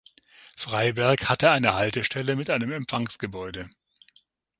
Freiberg hatte eine Haltestelle mit einem Empfangsgebäude.